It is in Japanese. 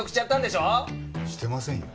してませんよ。